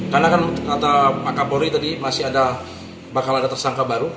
karena kan kata pak kapolri tadi masih ada bakal ada tersangka baru